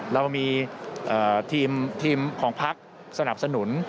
เรามีทีมของพักสนับสนุน